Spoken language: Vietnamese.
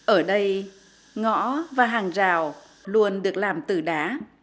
ở đây ngõ và hàng rào luôn được làm từ đá